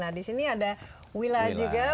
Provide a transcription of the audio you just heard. nah di sini ada wila juga